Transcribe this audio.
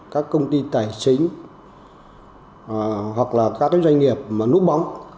các công ty tài chính hoặc là các doanh nghiệp mà núp bóng